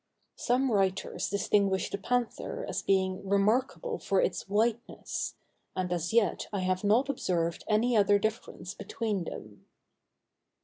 Some writers distinguish the panther as being remarkable for its whiteness: and as yet I have not observed any other difference between them.